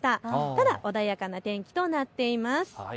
ただ穏やかな天気となっています。